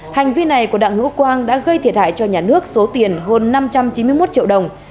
hành vi này của đặng hữu quang đã gây thiệt hại cho nhà nước số tiền hơn năm trăm chín mươi một triệu đồng